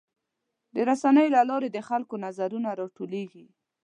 د رسنیو له لارې د خلکو نظرونه راټولیږي.